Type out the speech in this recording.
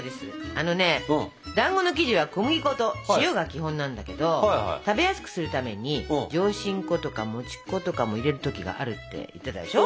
あのねだんごの生地は小麦粉と塩が基本なんだけど食べやすくするために上新粉とかもち粉とかも入れる時があるって言ってたでしょ？